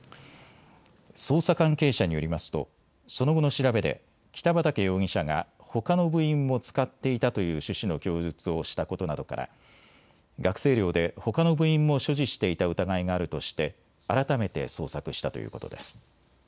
捜査関係者によりますとその後の調べで北畠容疑者がほかの部員も使っていたという趣旨の供述をしたことなどから学生寮でほかの部員も所持していた疑いがあるとして改めて捜索したということです。